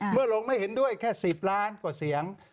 เมื่อลงไม่เห็นด้วยแค่๑๐ล้านกว่าเสียง